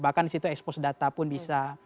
bahkan disitu expose data pun bisa